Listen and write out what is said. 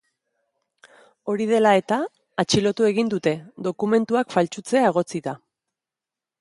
Hori dela eta, atxilotu egin dute, dokumentuak faltsutzea egotzita.